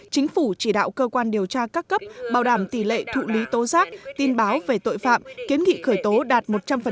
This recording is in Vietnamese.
chính phủ chỉ đạo cơ quan điều tra các cấp bảo đảm tỷ lệ thụ lý tố giác tin báo về tội phạm kiến nghị khởi tố đạt một trăm linh